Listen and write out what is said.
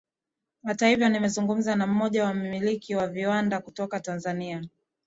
Hata hivyo nimezungumza na mmoja wa wamiliki wa viwanda kutoka Tanzania